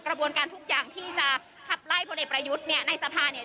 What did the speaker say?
กระบวนการทุกอย่างที่จะขับไล่พลเอกประยุทธ์เนี่ยในสภาเนี่ย